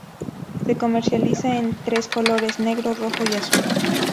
Se comercializa en tres colores: negro, rojo y azul.